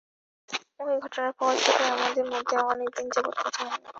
ওই ঘটনার পর থেকে আমাদের মধ্যে অনেকদিন যাবত কথা হয়নি।